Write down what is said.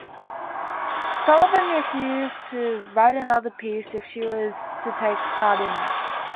Sullivan refused to write another piece if she was to take part in it.